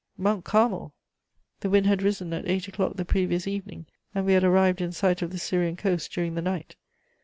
_' Mount Carmel! The wind had risen at eight o'clock the previous evening, and we had arrived in sight of the Syrian coast during the night.